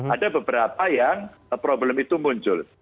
ada beberapa yang problem itu muncul